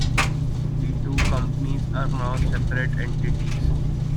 The two companies are now separate entities.